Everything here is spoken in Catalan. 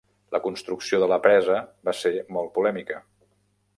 La construcció de la presa va ser molt polèmica.